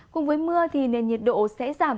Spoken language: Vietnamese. cùng với mưa thì nền nhiệt độ sẽ giảm